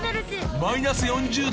［マイナス４０℃！？］